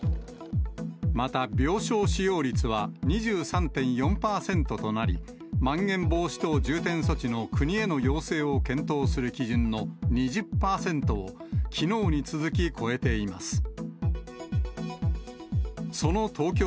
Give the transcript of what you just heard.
また病床使用率は２３．４％となり、まん延防止等重点措置の国への要請を検討する基準の２０％をきのうに続き超えています。